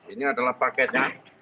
ini adalah paketnya